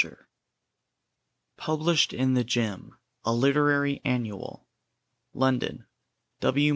XXVII [Published in The Gem: a Literary Annual. London: W.